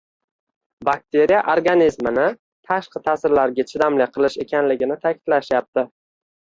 — bakteriya organizmini tashqi ta’sirlarga chidamli qilish ekanligini ta’kidlashyapti.